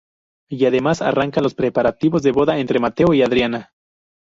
Y además arrancan los preparativos de boda entre Mateo y Adriana.